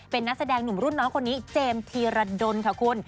เป็นนักแสดงหนุ่มรุ่นน้องคนนี้เจมส์ธีรดลค่ะคุณ